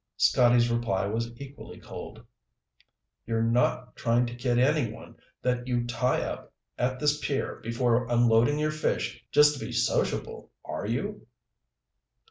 Scotty's reply was equally cold. "You're not trying to kid anyone that you tie up at this pier before unloading your fish just because you want to be sociable, are you?"